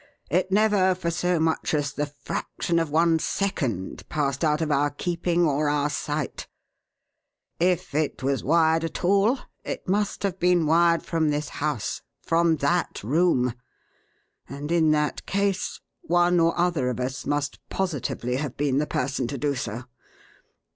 It never, for so much as the fraction of one second, passed out of our keeping or our sight; if it was wired at all it must have been wired from this house, from that room, and in that case, one or other of us must positively have been the person to do so.